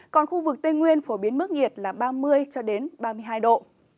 còn khu vực tây nguyên phổ biến mức nhiệt là ba mươi cho đến ba mươi hai độ